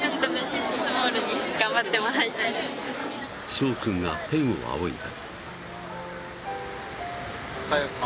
しょう君が天を仰いだ。